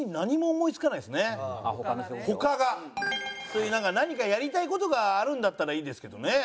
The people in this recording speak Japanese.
そういう何かやりたい事があるんだったらいいんですけどね。